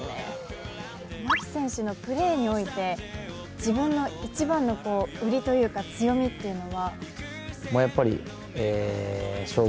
牧選手のプレーにおいて、自分の一番の売りというか強みというのは？